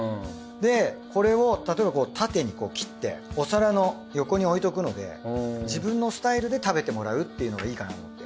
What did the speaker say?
でこれを例えば縦にこう切ってお皿の横に置いておくので自分のスタイルで食べてもらうっていうのがいいかなと思って。